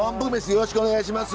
よろしくお願いします。